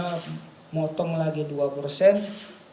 kemudian kepala daerahnya